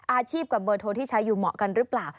อาชีพกับเบอร์โทรที่ใช้อยู่เหมาะกันหรือเปล่า